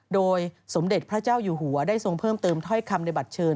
โดยสมเด็จพระเจ้าอยู่หัวได้ทรงเพิ่มเติมถ้อยคำในบัตรเชิญ